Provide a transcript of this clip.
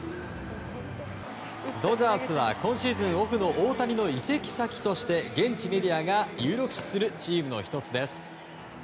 ドジャースは今シーズンオフの大谷の移籍先として現地メディアが有力視するチームの１つです。